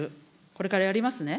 これからやりますね。